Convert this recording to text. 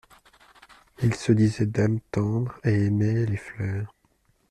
Il se disait d'âme tendre et aimait les fleurs.